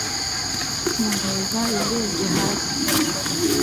Nkimureba yarebye hasi